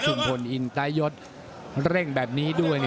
สุ่มพลอินทรายยศเร่งแบบนี้ด้วย